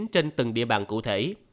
trên từng địa bàn cụ thể